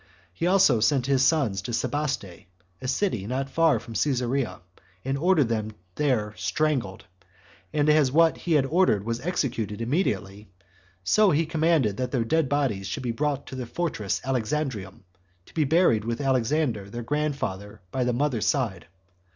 He also sent his sons to Sebaste, a city not far from Cesarea, and ordered them to be there strangled; and as what he had ordered was executed immediately, so he commanded that their dead bodies should be brought to the fortress Alexandrium, to be buried with Alexander, their grandfather by the mother's side.